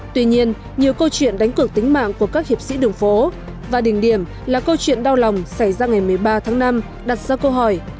tuy nhiên nhiều câu chuyện đánh cực tính mạng của các hiệp sĩ đường phố và đỉnh điểm là câu chuyện đau lòng xảy ra ngày một mươi ba tháng năm đặt ra câu hỏi